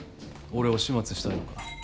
俺を始末したいのか？